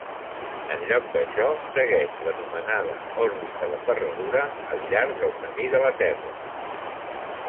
En lloc d'això, segueix l'anomenada òrbita de ferradura al llarg del camí de la Terra.